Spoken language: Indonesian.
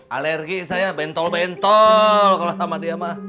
alergi saya bentol bentol kalau sama dia mah